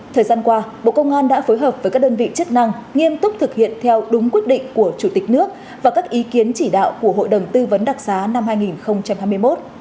thời gian qua bộ công an đã phối hợp với các đơn vị chức năng nghiêm túc thực hiện theo đúng quyết định của chủ tịch nước và các ý kiến chỉ đạo của hội đồng tư vấn đặc xá năm hai nghìn hai mươi một